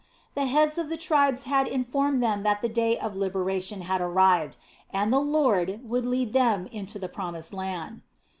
The heads of the tribes had informed them that the day of liberation had arrived, and the Lord would lead them into the Promised Land.